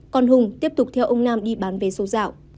còn hùng tiếp tục theo ông nam đi bán vé số dạo